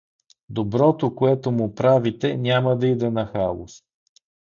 Доброто, което му правите, няма да иде нахалост.